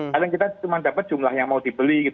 kadang kita cuma dapat jumlah yang mau dibeli